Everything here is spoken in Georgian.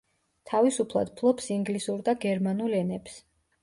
თავისუფლად ფლობს ინგლისურ და გერმანულ ენებს.